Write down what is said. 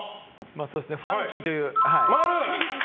そうですねファンキーっていう。